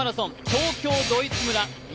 東京ドイツ村